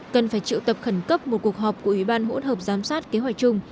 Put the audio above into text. cần phải triệu tập khẩn cấp một cuộc họp của ủy ban hỗn hợp giám sát kế hoạch chung